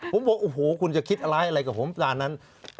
ผมพบโอ้โหคุณจะคิดอะไรอะไรกับผมประการนั้น